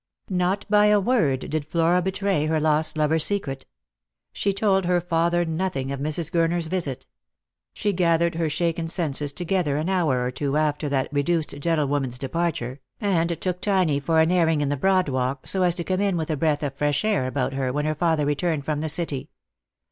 Not by a word did Mora betray her lost lover's secret. Sha told her father nothing of Mrs. Gurner's visit. She gathered her shaken senses together an hour or two after that reduced gentlewoman's departure, and took Tiny for an airing in the Broad Walk, so as to come in with a breath of fresh air about her when her father returned from the City.